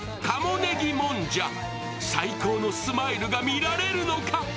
鴨ねぎもんじゃ、最高のスマイルが見られるのか。